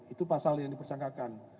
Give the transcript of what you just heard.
itu pasal yang dipersangkakan